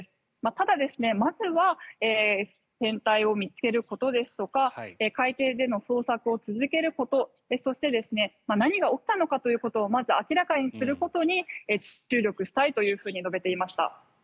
ただ、まずは船体を見つけることですとか海底での捜索を続けることそして、何が起きたのかを明らかにすることに注力したいと述べていました。